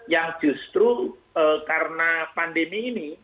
yang justru karena pandemi ini